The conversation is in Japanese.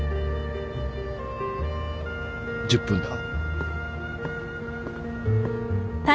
１０分だ。